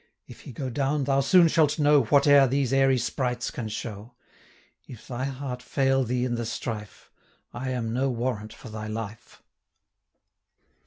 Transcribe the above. If he go down, thou soon shalt know 430 Whate'er these airy sprites can show: If thy heart fail thee in the strife, I am no warrant for thy life."